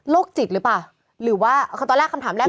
จิตหรือเปล่าหรือว่าคือตอนแรกคำถามแรก